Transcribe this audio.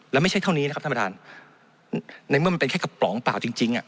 และไม่ใช่เท่านี้นะครับท่านประธานในเมื่อมันเป็นแค่กระป๋องเปล่าจริงจริงอ่ะ